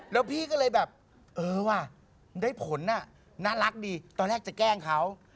แล้วพี่ก็เลยแบบเออว่ะได้ผลน่ารักดีตอนแรกจะแกล้งเขา